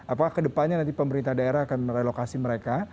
apakah ke depannya nanti pemerintah daerah akan merelokasi mereka